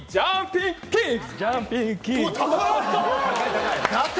ジャンピングキック！